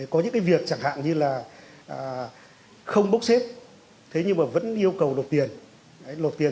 có những cái việc chẳng hạn như là bắt ép một số tiểu thương bắt ép một số tiểu thương phải lột tiền